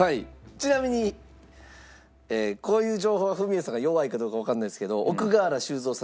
ちなみにこういう情報はフミヤさんが弱いかどうかわからないんですけど奥河原修造さん